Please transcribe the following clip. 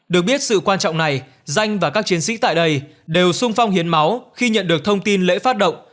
được biết sự quan trọng này danh và các chiến sĩ tại đây đều sung phong hiến máu khi nhận được thông tin lễ phát động